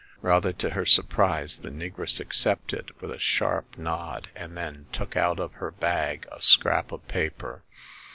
Rather to her surprise, the negress accepted with a sharp nod, and then took out of her bag a scrap of paper.